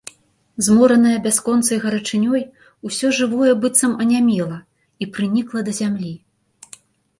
Зморанае бясконцай гарачынёй усё жывое быццам анямела і прынікла да зямлі.